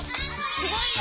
すごいよ。